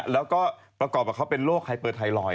แล้วก็ประกอบกับเขาเป็นโรคไฮเปอร์ไทรอยด